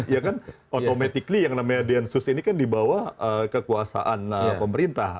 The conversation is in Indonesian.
ya kan automatically yang namanya densus ini kan di bawah kekuasaan pemerintah